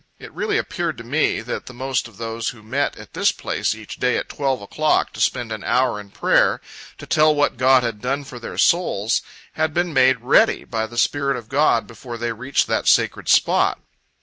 It really appeared to me, that the most of those who met at this place each day at twelve o'clock to spend an hour in prayer, to tell what God had done for their souls, had been made "ready," by the Spirit of God before they reached that sacred spot.